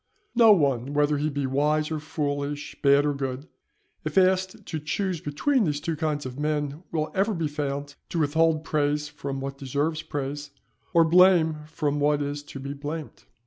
No one, whether he be wise or foolish, bad or good, if asked to choose between these two kinds of men, will ever be found to withhold praise from what deserves praise, or blame from what is to be blamed.